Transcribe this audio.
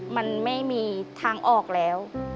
มันไม่มีทางออกแล้ว